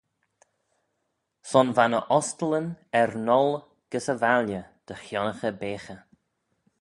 Son va ny ostyllyn er n'gholl gys y valley dy chionnaghey beaghey.